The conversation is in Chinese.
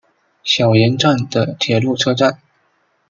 小岩站的铁路车站。